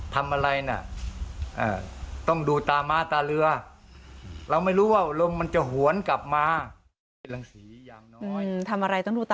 ทำอะไรน่ะต้องดูตาม้าตาเรือเราไม่รู้ว่าลมมันจะหวนกลับมา